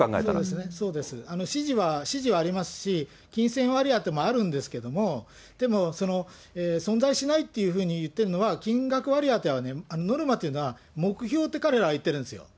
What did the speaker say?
そうです、指示はありますし、金銭割り当てもあるんですけれども、でも、存在しないっていうふうに言ってるのは、金額割り当ては、ノルマというのは、目標って、彼らは言ってるんですよ。